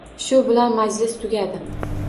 Shu bilan majlis tugadi